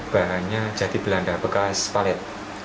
bahannya jati belanda bekas palet